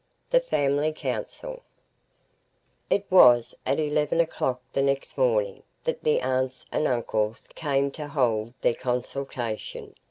The Family Council It was at eleven o'clock the next morning that the aunts and uncles came to hold their consultation.